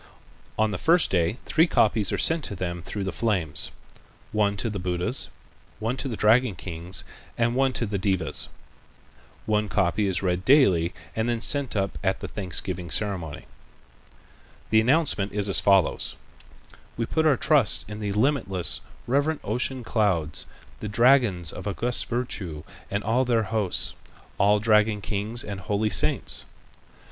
On the first day three copies are sent to them through the flames, one to the Buddhas, one to the dragon kings and one to the devas. One copy is read daily and then sent up at the thanksgiving ceremony. The announcement is as follows: "We put our trust in the limitless, reverent ocean clouds, the dragons of august virtue and all their host, all dragon kings and holy saints.